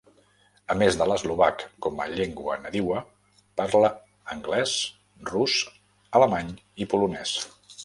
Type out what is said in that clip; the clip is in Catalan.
A més de l'eslovac com a llengua nadiua, parla anglès, rus, alemany i polonès.